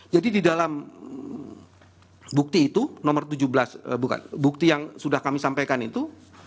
jadi di dalam bukti itu nomor tujuh belas bukan bukti yang sudah kami sampaikan itu